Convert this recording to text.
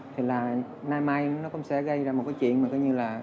thì là nay mai nó cũng sẽ gây ra một cái chuyện mà coi như là gây gớm